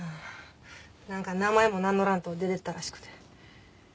なんか名前も名乗らんと出ていったらしくて。